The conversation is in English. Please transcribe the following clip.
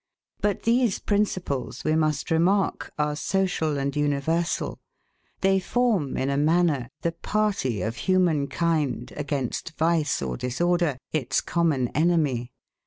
But these principles, we must remark, are social and universal; they form, in a manner, the PARTY of humankind against vice or disorder, its common enemy.